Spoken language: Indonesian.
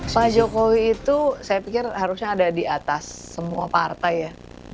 pak jokowi itu saya pikir harusnya ada di atas semua partai ya